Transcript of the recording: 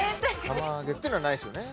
釜揚げっていうのはないですよね？